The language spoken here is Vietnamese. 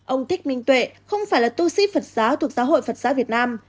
ông thích minh tuệ không phải là tu sĩ phật giáo thuộc giáo hội phật giáo việt nam